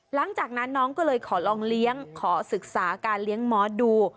หลังจากนั้นน้องก็เลยขอลองเลี้ยงขอศึกษาการเลี้ยงมอสดู